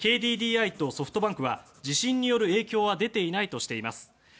ＫＤＤＩとソフトバンクは地震による影響は出ていないとしています。